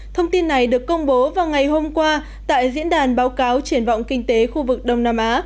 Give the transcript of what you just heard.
thông tin này được công bố vào ngày hôm qua tại diễn đàn báo cáo triển vọng kinh tế khu vực đông nam á